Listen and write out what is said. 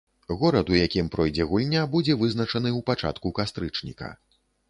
Горад, у якім пройдзе гульня, будзе вызначаны ў пачатку кастрычніка.